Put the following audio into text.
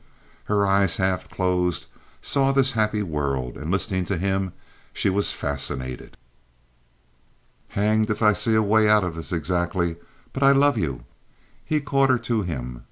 Her eyes, half closed, saw this happy world; and, listening to him, she was fascinated. "Hanged if I see the way out of this, exactly. But I love you!" He caught her to him.